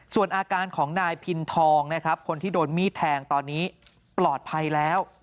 ส่วนอาการของนายพินทองนะครับคนที่โดนมีดแทงตอนนี้ปลอดภัยแล้ว